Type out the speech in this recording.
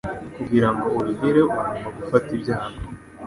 Kugirango ubigereho, ugomba gufata ibyago.